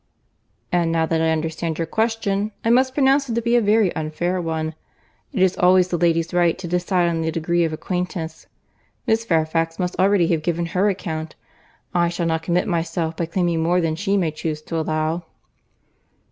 "And now that I understand your question, I must pronounce it to be a very unfair one. It is always the lady's right to decide on the degree of acquaintance. Miss Fairfax must already have given her account.—I shall not commit myself by claiming more than she may chuse to allow."